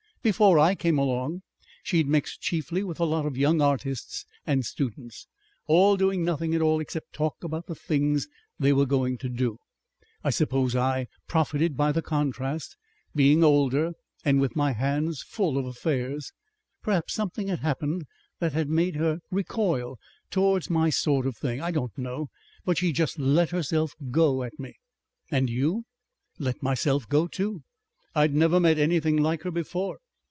Before I came along she'd mixed chiefly with a lot of young artists and students, all doing nothing at all except talk about the things they were going to do. I suppose I profited by the contrast, being older and with my hands full of affairs. Perhaps something had happened that had made her recoil towards my sort of thing. I don't know. But she just let herself go at me." "And you?" "Let myself go too. I'd never met anything like her before.